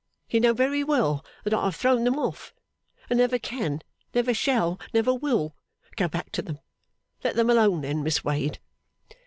You know very well that I have thrown them off, and never can, never shall, never will, go back to them. Let them alone, then, Miss Wade.